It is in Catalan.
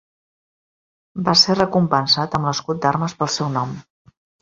Va ser recompensat amb l'escut d'armes pel seu nom.